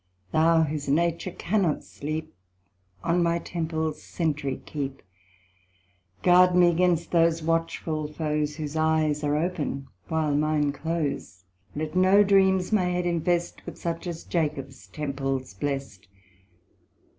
Thou whose nature cannot sleep, On my temples centry keep; Guard me 'gainst those watchful foes, Whose eyes are open while mine close. Let no dreams my head infest, But such as Jacob's temples blest.